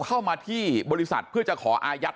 เข้ามาที่บริษัทเพื่อจะขออายัด